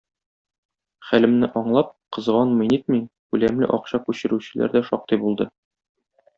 Хәлемне аңлап, кызганмый-нитми, күләмле акча күчерүчеләр дә шактый булды.